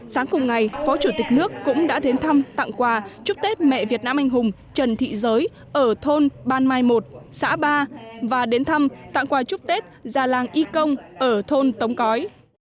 sáng cùng ngày phó chủ tịch nước cũng đã đến thăm tặng quà chúc tết mẹ việt nam anh hùng trần thị giới ở thôn ban mai một xã ba và đến thăm tặng quà chúc tết già làng y công ở thôn tống cói